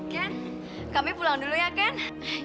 kenny kami pulang dulu ya kenny